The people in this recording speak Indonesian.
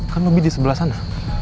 kan hobi di sebelah sana